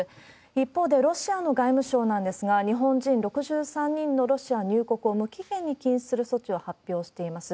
一方でロシアの外務省なんですが、日本人６３人のロシア入国を無期限に禁止する措置を発表しています。